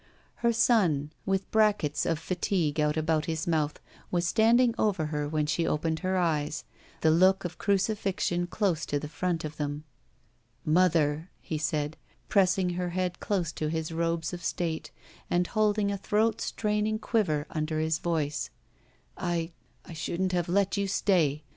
Her son, with brackets of fatigue out about his mouth, was standing over her when she opened her eyes, the look of crucifixion close to the front of them. ''Mother," he said, pressing her head close to his robes of state and holding a throat straining quiver under his voice, "I — I shouldn't have let you stay.